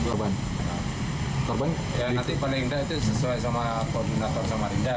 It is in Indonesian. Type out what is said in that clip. korban yang paling indah itu sesuai sama koordinator samarinda